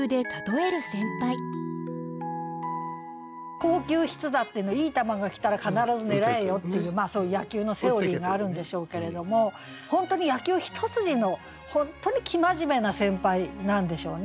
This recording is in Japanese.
「好球必打」っていい球が来たら必ず狙えよっていうそういう野球のセオリーがあるんでしょうけれども本当に野球一筋の本当に生真面目な先輩なんでしょうね。